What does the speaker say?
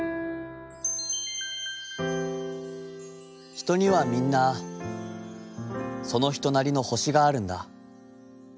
「『ひとにはみんな、そのひとなりの星があるんだ。